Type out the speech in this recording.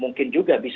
mungkin juga bisa